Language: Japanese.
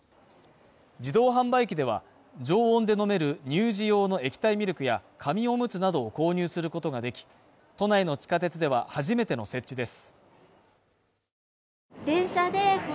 自動販売機では、常温で飲める乳児用の液体ミルクや紙オムツなどを購入することができ、都内の地下鉄では初めての設置です。